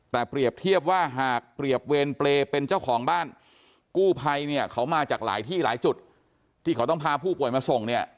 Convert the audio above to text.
แต่เปรียบเทียบว่าหากเปรียบเวรเปรย์เป็นเจ้าของบ้านกู้ภัยเนี่ยเขามาจากหลายที่หลายจุดที่เขาต้องพาผู้ป่วยมาส่งเนี่ย